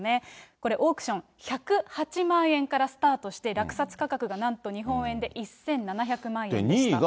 これ、オークション、１０８万円からスタートして、落札価格がなんと日本円で１７００万円でした。